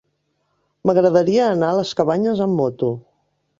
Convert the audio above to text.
M'agradaria anar a les Cabanyes amb moto.